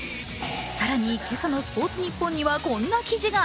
更に今朝の「スポーツニッポン」にはこんな記事が。